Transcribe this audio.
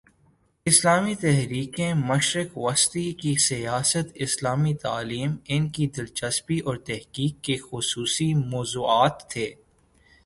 اسلامی تحریکیں، مشرق وسطی کی سیاست، اسلامی تعلیم، ان کی دلچسپی اور تحقیق کے خصوصی موضوعات تھے۔